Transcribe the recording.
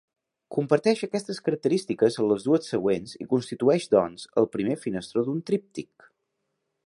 Comparteix aquestes característiques amb les dues següents i constitueix, doncs, el primer finestró d'un tríptic.